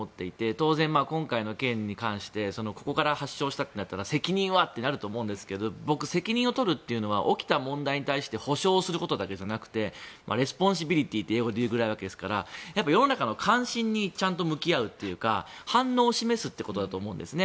当然今回の件に関してここから発祥したとなると責任は？となるんでしょうが僕、責任を取るのは起きた問題に対して補償するだけじゃなくてレスポンシビリティーと英語で言うくらいですからやっぱり世の中の関心にちゃんと向き合うというか反応を示すってことだと思うんですね。